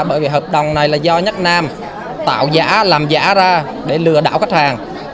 bởi vì hợp đồng này là do nhân nam tạo giả làm giả ra để lừa đảo khách hàng